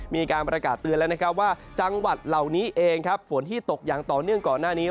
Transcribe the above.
มีการประกาศเตือนแล้วนะครับว่าจังหวัดเหล่านี้เองครับฝนที่ตกอย่างต่อเนื่องก่อนหน้านี้